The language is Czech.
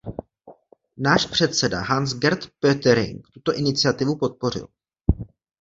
Náš předseda, Hans-Gert Pöttering, tuto iniciativu podpořil.